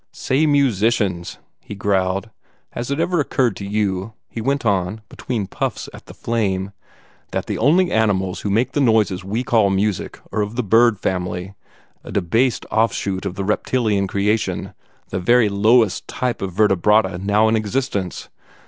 "Say musicians!" he growled. "Has it ever occurred to you," he went on, between puffs at the flame, "that the only animals who make the noises we call music are of the bird family a debased offshoot of the reptilian creation the very lowest types of the vertebrata now in existence?